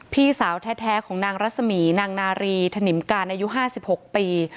พี่สาวแท้ของนางรัศมีนางนารีถนิมการอายุ๕๖ปี